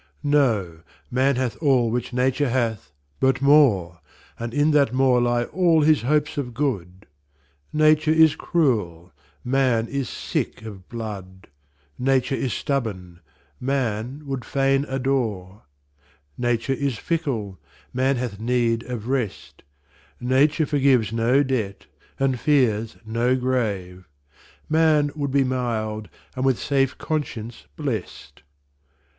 Know, man hath all which Nature hath, but more, And in that more lie all his hopes of good. Nature is cruel, man is sick of blood; Nature is stubborn, man would fain adore; Nature is fickle, man hath need of rest; Nature forgives no debt, and fears no grave; Man would be mild, and with safe conscience blest.